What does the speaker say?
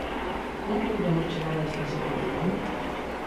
Como puidemos chegar a esta situación?